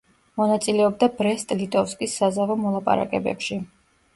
მონაწილეობდა ბრესტ-ლიტოვსკის საზავო მოლაპარაკებებში.